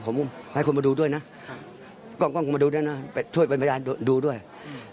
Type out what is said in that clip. ผมให้คนมาดูด้วยนะค่ะกล้องกล้องคงมาดูด้วยนะช่วยเป็นพยานดูด้วยอืม